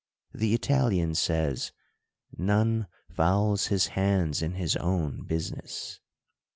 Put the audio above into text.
The Italian says —" None fouls his hands in his own busi ness."